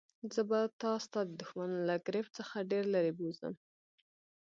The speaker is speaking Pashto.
زه به تا ستا د دښمنانو له ګرفت څخه ډېر لیري بوزم.